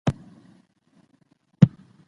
سلطان ابراهیم لودي شکست وخوړ